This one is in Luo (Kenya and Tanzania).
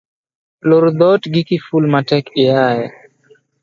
Loor dhoot gi kiful matek iaye